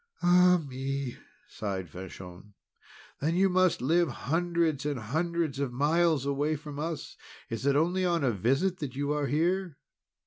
"Ah me!" sighed Fanchon. "Then you must live hundreds and hundreds of miles away from us! Is it only on a visit that you are here?"